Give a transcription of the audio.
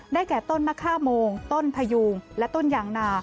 แก่ต้นมะค่าโมงต้นพยูงและต้นยางนา